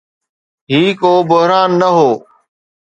هي ڪو بحران نه هو.